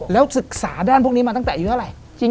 แล้วศึกษาด้านพวกนี้มาตั้งแต่อายุเท่าไหร่